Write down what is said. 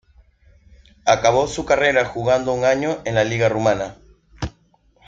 Acabó su carrera jugando un año en la liga rumana.